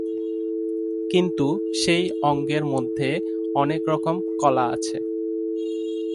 কিন্তু সেই অঙ্গের মধ্যে অনেক রকম কলা আছে।